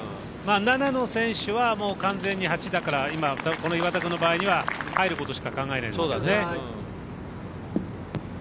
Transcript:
７の選手は完全に８だから今、この岩田君の場合には入ることしか考えないですけどね。